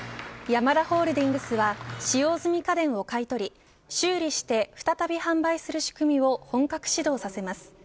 ヤマダホールディングスは使用済み家電を買い取り修理して、再び販売する仕組みを本格始動させます。